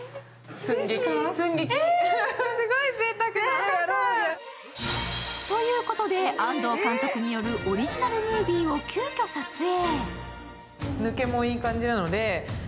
すると、ここでということで、安藤監督によるオリジナルムービーを急きょ撮影。